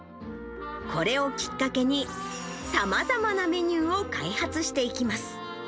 これをきっかけに、さまざまなメニューを開発していきます。